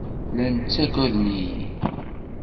Llan ttagaden-iyi.